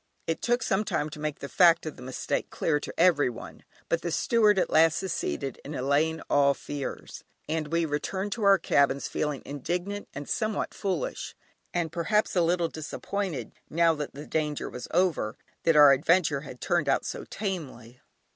It took some time to make the fact of the mistake clear to everyone, but the steward at last succeeded in allaying all fears, and we returned to our cabins, feeling indignant and somewhat foolish, and perhaps a little disappointed (now that the danger was over) that our adventure had turned out so tamely.